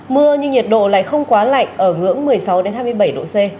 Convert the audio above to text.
mưa nhưng nhiệt độ lại không quá lạnh ở ngưỡng một mươi sáu hai mươi bảy độ c